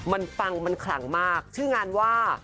มันปังมันขลังมากชื่องานว่า